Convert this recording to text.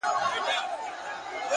پرمختګ د جرئت او ثبات اولاد دی.!